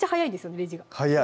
レジが早い！